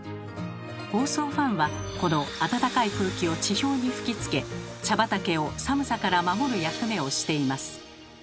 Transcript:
防霜ファンはこの暖かい空気を地表に吹きつけ茶畑を寒さから守る役目をしています。